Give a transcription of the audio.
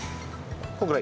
このぐらい？